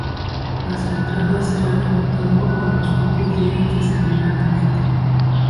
Las entradas se han agotado a los pocos días de salir a la venta.